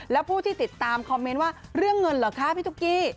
แล้วผู้ที่ติดตามคอมเมนต์ว่าเรื่องเงินเหรอคะพี่ตุ๊กกี้